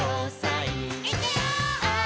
「いくよー！」